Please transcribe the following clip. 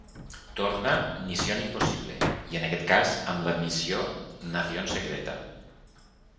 Torna ‘Misión imposible’ i en aquest cas amb la missió ‘Nación secreta’.